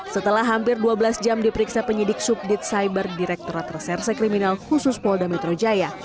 setelah hampir dua belas jam diperiksa penyidik subdit cyber direkturat reserse kriminal khusus polda metro jaya